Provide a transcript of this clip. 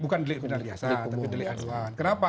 bukan delik benar biasa tapi delik aduan kenapa